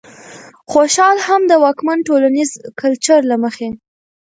خوشال هم د واکمن ټولنيز کلچر له مخې